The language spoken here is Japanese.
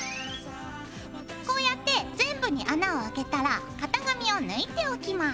こうやって全部に穴をあけたら型紙を抜いておきます。